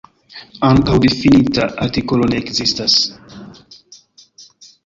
Ankaŭ difinita artikolo ne ekzistas.